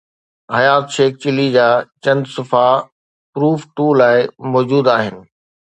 حيات شيخ چلي جا چند صفحا پروف II لاءِ موجود آهن.